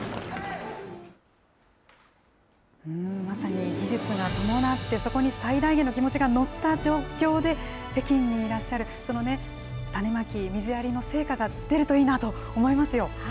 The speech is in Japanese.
まさに技術が伴って、そこに最大限の気持ちが乗った状況で北京にいらっしゃる、その種まき、水やりの成果が出るといいなと思いますよ。